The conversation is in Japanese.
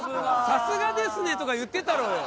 「さすがですね！」とか言ってたろうよ。